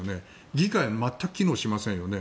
議会、全く機能しませんよね。